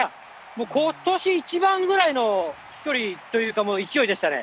もうことし一番ぐらいの飛距離というか、勢いでしたね。